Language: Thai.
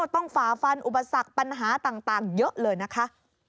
ฝ่าฟันอุปสรรคปัญหาต่างเยอะเลยนะคะ